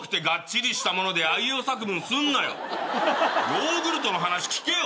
ヨーグルトの話聞けよ！